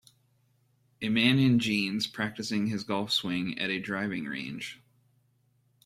A man in jeans practicing his golf swing at a driving range